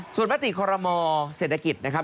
ส่วนมติคอรมอเศรษฐกิจนะครับ